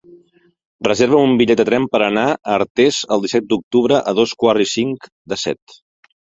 Reserva'm un bitllet de tren per anar a Artés el disset d'octubre a dos quarts i cinc de set.